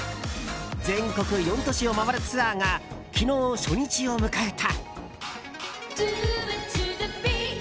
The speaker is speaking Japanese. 全国４都市を回るツアーが昨日、初日を迎えた。